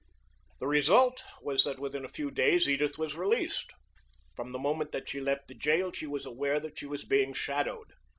The result was that within a few days Edith was released. From the moment that she left the jail she was aware that she was being shadowed.